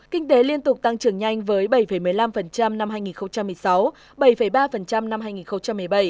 kinh tế liên tục tăng trưởng nhanh với bảy một mươi năm năm hai nghìn một mươi sáu bảy ba năm hai nghìn một mươi bảy